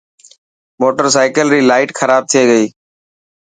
موٽرسائيڪل ري لائٽ خراب ٿي گئي.